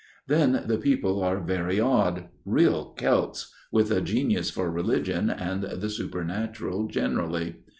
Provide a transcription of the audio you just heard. " Then the people are very odd real Celts with a genius for religion and the supernatural generally.